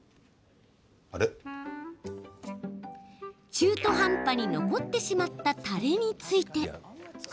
中途半端に残ってしまったたれについて。